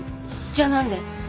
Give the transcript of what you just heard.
じゃあ何で？